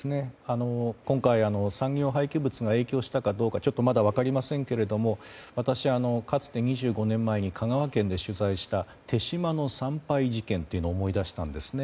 今回、産業廃棄物が影響したかどうかまだ分かりませんけれど私、かつて２５年前に香川県で取材した豊島の産廃事件というのを思い出したんですね。